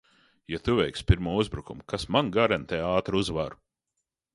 Ja tu veiksi pirmo uzbrukumu, kas man garantē ātru uzvaru?